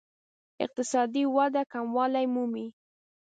اقتصادي وده کموالی مومي.